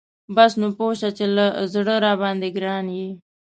بس نو پوه شه چې له زړه راباندی ګران یي .